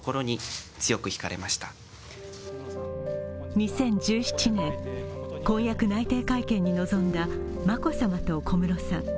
２０１７年、婚約内定会見に臨んだ眞子さまと小室さん。